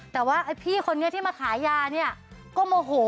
แต่ว่าไอ้พี่คนนี้ที่มาขายยาเนี่ยก็โมโห